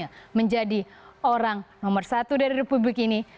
yang menjadi orang nomor satu dari republik ini